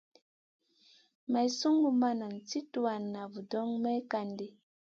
Maï sungu ma nan sli tuwan na vudoŋ may kan ɗi.